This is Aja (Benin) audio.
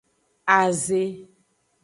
Aze.